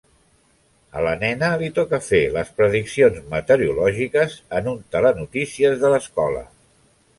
A la nena li toca fer les prediccions meteorològiques en un telenotícies de l'escola.